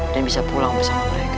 dan bisa pulang bersama mereka